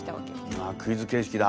ああクイズ形式だ。